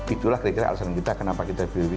itulah kira kira alasan kita kenapa kita